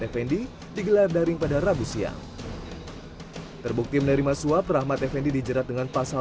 fnd digelar daring pada rabu siang terbukti menerima suap rahmat effendi dijerat dengan pasal